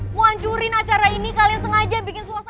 mau hancurin acara ini kalian sengaja bikin suasana